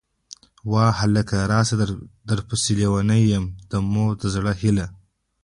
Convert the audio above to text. واه هلکه!!! راسه درپسې لېونۍ يه ، د مور د زړه هيلهٔ